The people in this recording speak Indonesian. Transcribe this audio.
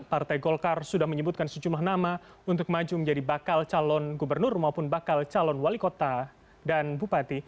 partai golkar sudah menyebutkan sejumlah nama untuk maju menjadi bakal calon gubernur maupun bakal calon wali kota dan bupati